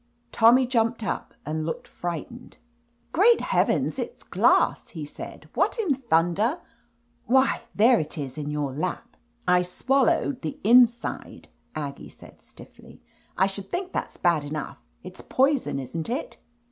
Tommy jumped up. and looked frightened. 50 LETITIA CARBERRY "Great heavens, it's glass I" he saidi WHat in thunder — ^why, there it is in your lap !" "I swallowed the inside/' Aggie said stiffly. "I should think that's bad enough. It's poison, isn't it?"